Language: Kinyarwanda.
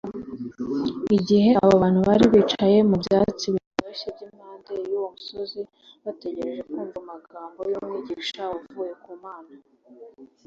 igihe abo bantu bari bicaye mu byatsi bitoshye by’impande z’uwo musozi bategereje kumva amagambo y’umwigisha wavuye ku mana